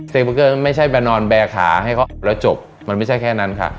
เบอร์เกอร์ไม่ใช่มานอนแบร์ขาให้เขาแล้วจบมันไม่ใช่แค่นั้นค่ะ